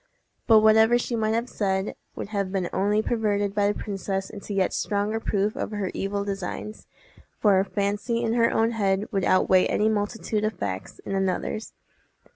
But whatever she might have said would have been only perverted by the princess into yet stronger proof of her evil designs, for a fancy in her own head would outweigh any multitude of facts in another's.